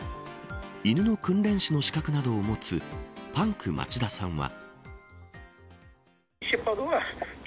犬の訓練士の資格などを持つパンク町田さんは。